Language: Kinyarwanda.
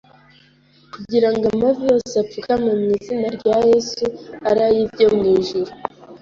kugira ngo amavi yose apfukame mu izina rya Yesu, ari ay’ibyo mu ijuru,